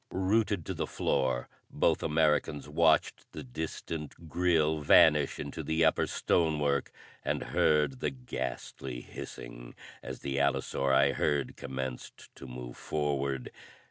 Rooted to the floor, both Americans watched the distant grille vanish into the upper stone work and heard the ghastly hissing as the allosauri herd commenced to move forward.